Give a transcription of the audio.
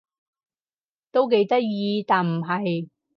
都幾得意但唔係